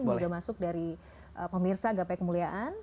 yang juga masuk dari pemirsa gape kemuliaan